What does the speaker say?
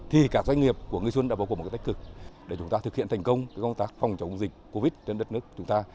thì các doanh nghiệp của nghi xuân đã vô cùng một tích cực để chúng ta thực hiện thành công công tác phòng chống dịch covid trên đất nước chúng ta